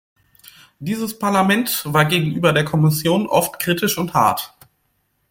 Dieses Parlament war gegenüber der Kommission oft kritisch und hart.